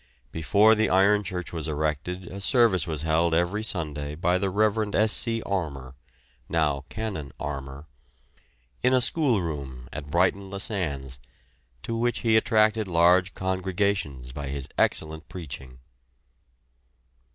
Before the iron church was erected a service was held every Sunday by the Rev. S. C. Armour (now Canon Armour) in a schoolroom at Brighton le Sands, to which he attracted large congregations by his excellent preaching.